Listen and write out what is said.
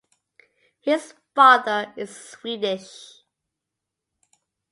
His father is Swedish.